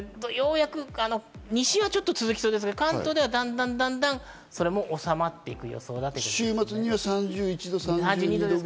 西はちょっと続きそうですが、関東ではだんだんそれも収まっていく予想だということです。